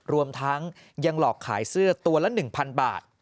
รวมทั้งยังหลอกขายเสื้อตัวละ๑๐๐บาท